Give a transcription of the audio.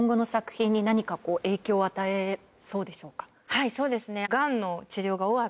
はいそうですね。